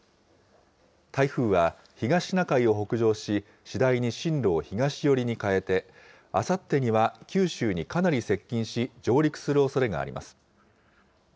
台風は東シナ海を北上し、次第に進路を東寄りに変えて、あさってには九州にかなり接近し、上陸するおそれがあります。